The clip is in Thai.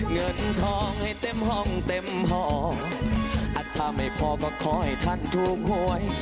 เงินทองให้เต็มห้องเต็มห้องอัตภไม่พอก็ขอให้ท่านถูกหวย